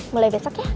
mulai besok ya